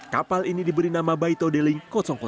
kapal ini diberi nama baito deling satu